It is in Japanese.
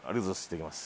頂きます。